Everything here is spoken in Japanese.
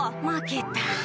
負けた。